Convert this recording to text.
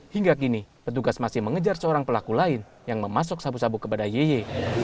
hingga kini petugas masih mengejar seorang pelaku lain yang memasuk sabu sabu kepada yeye